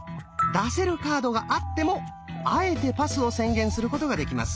出せるカードがあってもあえてパスを宣言することができます。